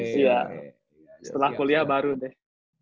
setelah kuliah baru deh